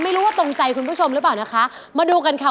ไม่รู้ว่าตรงใจคุณผู้ชมหรือเปล่านะคะ